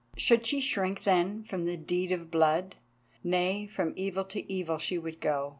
Should she shrink then from the deed of blood? Nay, from evil to evil she would go.